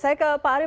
saya ke pak ari